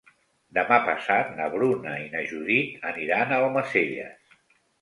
Demà passat na Bruna i na Judit aniran a Almacelles.